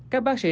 các bác sĩ